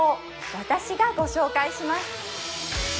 私がご紹介します